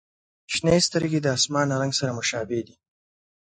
• شنې سترګې د آسمان رنګ سره مشابه دي.